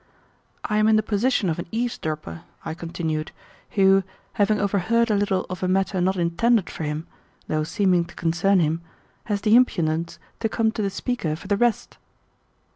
"I am in the position of an eavesdropper," I continued, "who, having overheard a little of a matter not intended for him, though seeming to concern him, has the impudence to come to the speaker for the rest."